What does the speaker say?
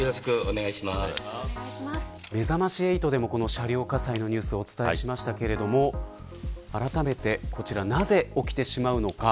めざまし８でもこの車両火災のニュースをお伝えしましたがあらためてこちらなぜ起きてしまうのか。